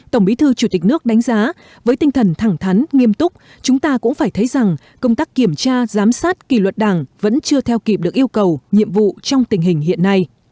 tổng bí thư chủ tịch nước đánh giá với tinh thần thẳng thắn nghiêm túc chúng ta cũng phải thấy rằng công tác kiểm tra giám sát kỷ luật đảng vẫn chưa theo kịp được yêu cầu nhiệm vụ trong tình hình hiện nay